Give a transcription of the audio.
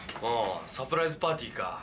ああサプライズパーティーか。